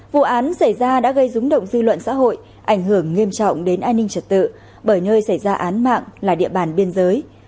vụ án xảy ra đã gây rúng động dư luận xã hội ảnh hưởng nghiêm trọng đến an ninh trật tự bởi nơi xảy ra án mạng là địa bàn biên giới